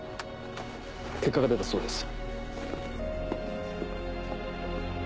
結果が出たそうです。